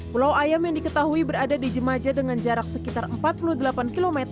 pulau ayam yang diketahui berada di jemaja dengan jarak sekitar empat puluh delapan km